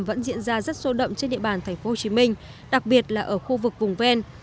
vẫn diễn ra rất sâu đậm trên địa bàn tp hcm đặc biệt là ở khu vực vùng ven